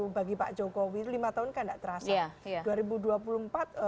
bagi pak jokowi lima tahun kan tidak terasa dua ribu dua puluh empat